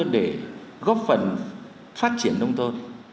để góp phần phát triển nông thôn